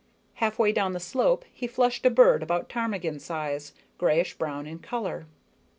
Halfway down the slope he flushed a bird about ptarmigan size, grayish brown in color.